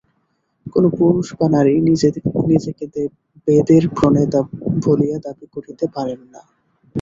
কোন পুরুষ বা নারী নিজেকে বেদের প্রণেতা বলিয়া দাবী করিতে পারেন না।